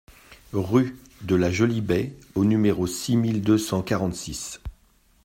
Rue de la Jolie Baie au numéro six mille deux cent quarante-six